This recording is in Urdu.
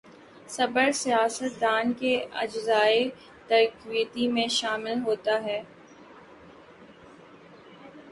صبر سیاست دان کے اجزائے ترکیبی میں شامل ہوتا ہے۔